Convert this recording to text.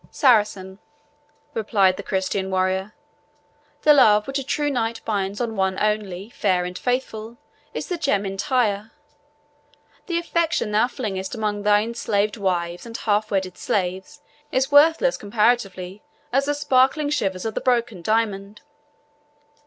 "Saracen," replied the Christian warrior, "the love which a true knight binds on one only, fair and faithful, is the gem entire; the affection thou flingest among thy enslaved wives and half wedded slaves is worthless, comparatively, as the sparkling shivers of the broken diamond."